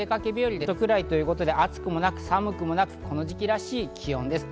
最高気温２０度くらいということで、暑くもなく、寒くもなく、この時期らしい気温です。